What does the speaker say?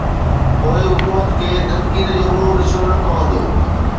پوءِ حڪومت کي تنقيد جو منهن ڏسڻو نه پوندو.